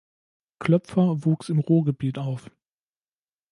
Kloepfer wuchs im Ruhrgebiet auf.